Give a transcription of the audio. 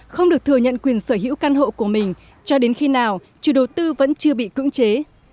không được thừa nhận quyền sở hữu căn hộ của mình cho đến khi nào chủ đầu tư vẫn chưa bị cưỡng chế